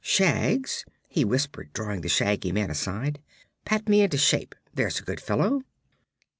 "Shags," he whispered, drawing the Shaggy Man aside, "pat me into shape, there's a good fellow!"